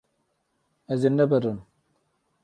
Ez ê nebirim.